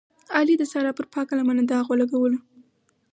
علي د سارې پر پاکه لمنه داغ ولګولو.